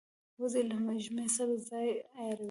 وزې له ژمې سره ځان عیاروي